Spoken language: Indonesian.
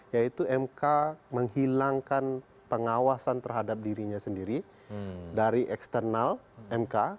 yaitu mk menghilangkan pengawasan terhadap dirinya sendiri from prova dan pengawasan dari eksternal mk